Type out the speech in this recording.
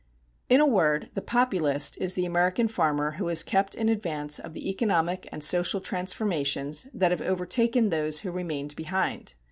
In a word, the Populist is the American farmer who has kept in advance of the economic and social transformations that have overtaken those who remained behind.